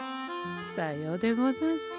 さようでござんすか。